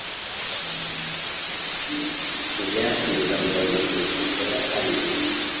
Ntibyatinze ambonye kuruta uko yatangiye